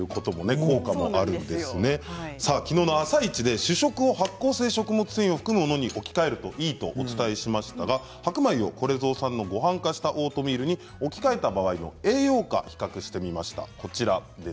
きのうの「あさイチ」で主食を発酵性食物繊維を含むものに置き換えるといいとお伝えしましたが白米をこれぞうさんのごはん化したオートミールに置き換えた場合の栄養価を比較してみました。